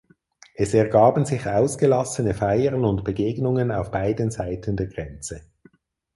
Es ergaben sich ausgelassene Feiern und Begegnungen auf beiden Seiten der Grenze.